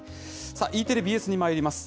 さあ、Ｅテレ、ＢＳにまいります。